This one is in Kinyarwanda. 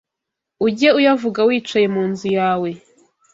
Ujye uyavuga wicaye mu nzu yawe